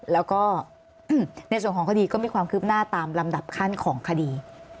แล้วก็ในส่วนของคดีก็มีความคืบหน้าตามลำดับขั้นของคดี